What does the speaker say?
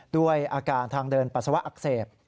ด้วยอาการทางเดินปัสสาวะอักเสบ